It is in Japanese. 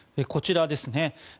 こちらですね。